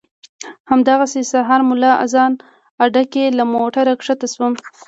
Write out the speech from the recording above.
همدغسې سهار ملا اذان اډه کې له موټره ښکته شوم.